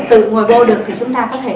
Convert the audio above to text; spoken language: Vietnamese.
tự ngồi bô được thì chúng ta có thể